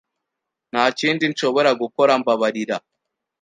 Nta kindi nshobora gukora. Mbabarira.